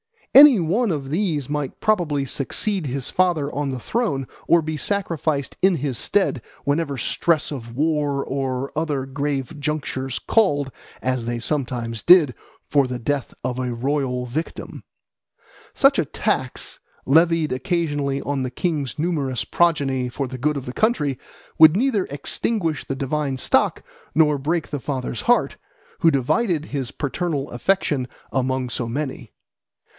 Any one of these might probably succeed his father on the throne or be sacrificed in his stead whenever stress of war or other grave junctures called, as they sometimes did, for the death of a royal victim. Such a tax, levied occasionally on the king's numerous progeny for the good of the country, would neither extinguish the divine stock nor break the father's heart, who divided his paternal affection among so many.